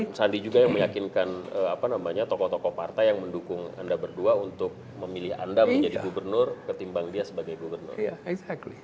bang sandi juga yang meyakinkan tokoh tokoh partai yang mendukung anda berdua untuk memilih anda menjadi gubernur ketimbang dia sebagai gubernur